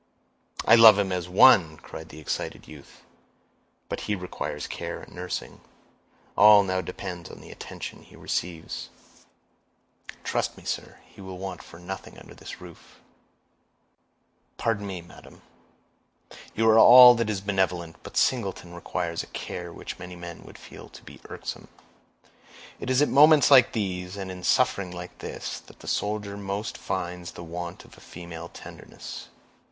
"I love him as one," cried the excited youth. "But he requires care and nursing; all now depends on the attention he receives." "Trust me, sir, he will want for nothing under this roof." "Pardon me, dear madam; you are all that is benevolent, but Singleton requires a care which many men would feel to be irksome. It is at moments like these, and in sufferings like this, that the soldier most finds the want of female tenderness."